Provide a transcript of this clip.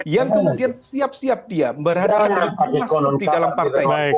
yang kemudian siap siap dia berada di dalam partai